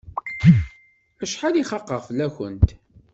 Acḥal i xaqeɣ fell-akent!